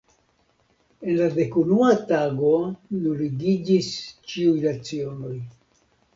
En la dekunua tago nuligiĝis ĉiuj lecionoj.